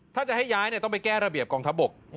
ถ้าจะให้ย้ายต้องไปแก้ระเบียบกองทัพบก